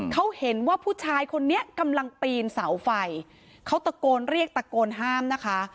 เขาเห็นว่าผู้ชายคนนี้กำลังปีนเสาไฟเขาตะโกนเรียกตะโกนห้ามนะคะ